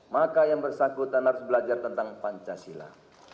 maka yang bersangkutan harus belajar tentang pancasila